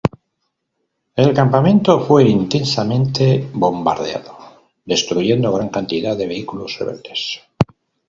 El campamento fue intensamente bombardeado, destruyendo gran cantidad de vehículos rebeldes.